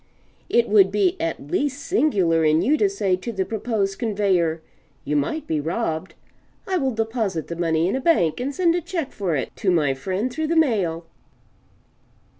It would be at least singular in you to say to the proposed conveyor, "You might be robbed; I will deposit the money in a bank and send a check for it to my friend through the mail."